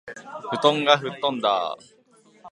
布団が吹っ飛んだあ